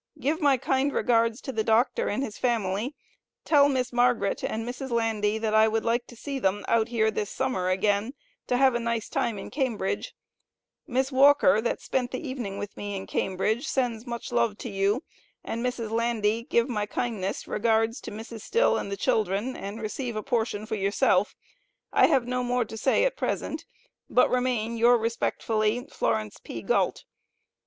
give my kinde regards to the Dr and his family tell Miss Margret and Mrs Landy that i would like to see them out here this summer again to have a nice time in Cambridge Miss Walker that spent the evening with me in Cambridge sens much love to yoo and Mrs. Landy give my kindes regards to Mrs Still and children and receive a portion for yoo self. i have no more to say at present but remain yoor respectfully. FLARECE P. GAULT.